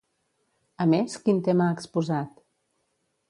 A més, quin tema ha exposat?